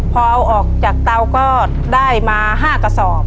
พอเอาออกจากเตาก็ได้มา๕กระสอบ